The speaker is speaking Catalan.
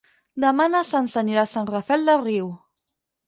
Demà na Sança anirà a Sant Rafel del Riu.